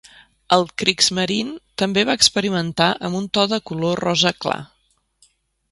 El Kriegsmarine també va experimentar amb un to de color rosa clar.